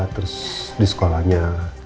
terus di sekolahnya